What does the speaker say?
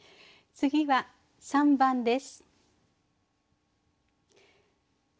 次は３番です。